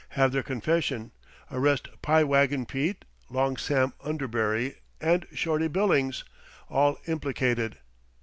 Have their confession. Arrest Pie Wagon Pete, Long Sam Underbury, and Shorty Billings. All implicated.